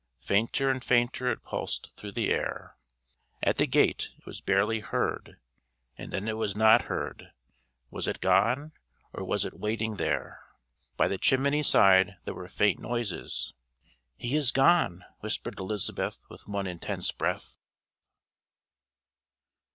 Fainter and fainter it pulsed through the air. At the gate it was barely heard and then it was not heard: was it gone or was it waiting there? By the chimney side there were faint noises. "He is gone!" whispered Elizabeth with one intense breath.